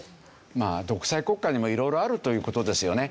まあ独裁国家にも色々あるという事ですよね。